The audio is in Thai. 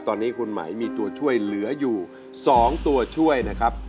ตอนนี้คุณไหมมีตัวช่วยเหลืออยู่๒ตัวช่วยนะครับ